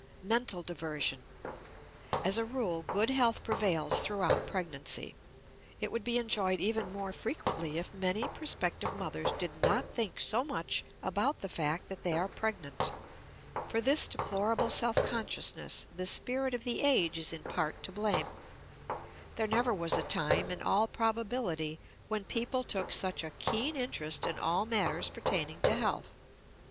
MENTAL DIVERSION. As a rule good health prevails throughout pregnancy; it would be enjoyed even more frequently if many prospective mothers did not think so much about the fact that they are pregnant. For this deplorable self consciousness the spirit of the age is in part to blame; there never was a time, in all probability, when people took such a keen interest in all matters pertaining to health.